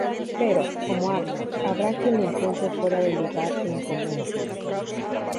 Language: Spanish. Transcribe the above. Pero, como arte, habrá quien lo encuentre fuera de lugar e incomprensible.